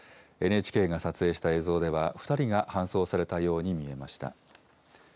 ＮＨＫが撮影した映像では、２人が搬送されたように見えました。